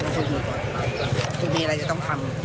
ตรงที่มีอะไรจะต้องทำ